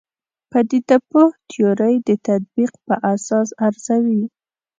پدیده پوه تیورۍ د تطبیق په اساس ارزوي.